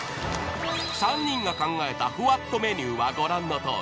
［３人が考えたふわっとメニューはご覧のとおり］